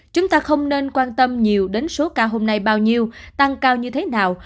chúng ta không nên quan tâm nhiều đến số ca hôm nay bao nhiêu tăng cao như thế nào